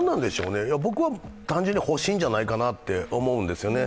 僕は単純に保身じゃないかなと思うんですね。